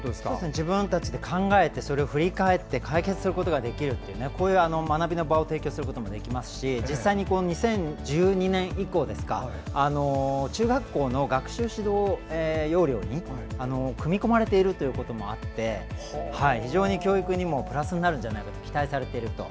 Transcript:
自分たちで考えてそれを振り返って解決することができるというこういう学びの場を提供することもできますし実際に２０１２年以降中学校の学習指導要領に組み込まれているということもあって非常に教育にもプラスになるんじゃないかと期待されていると。